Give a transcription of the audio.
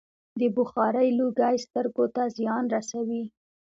د بخارۍ لوګی سترګو ته زیان رسوي.